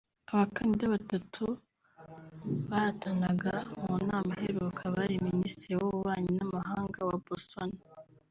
Abakandida batatu bahatanaga mu nama iheruka bari Minisitiri w’Ububanyi N’amahanga wa Botswana